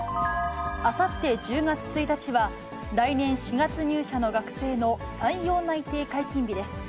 あさって１０月１日は、来年４月入社の学生の採用内定解禁日です。